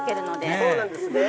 そうなんですね。